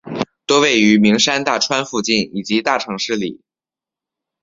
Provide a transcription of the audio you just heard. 多位于名山大川附近以及大城市里。